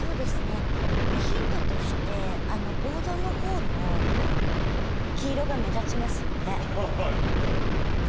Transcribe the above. ヒントとしてボードのほうの黄色が目立ちますよね。